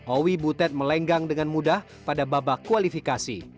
owi butet melenggang dengan mudah pada babak kualifikasi